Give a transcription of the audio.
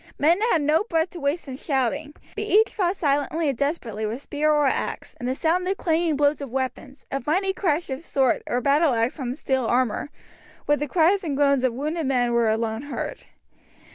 Men had no breath to waste in shouting, but each fought silently and desperately with spear or axe, and the sound of clanging blows of weapons, of mighty crash of sword or battleaxe on steel armour, with the cries and groans of wounded men were alone heard.